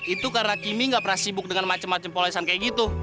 itu karena kimmy gak pernah sibuk dengan macam macam polesan kayak gitu